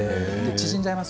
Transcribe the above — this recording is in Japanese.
縮んじゃいます。